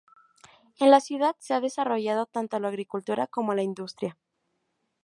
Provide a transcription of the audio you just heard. En la ciudad se han desarrollado tanto la agricultura como la industria.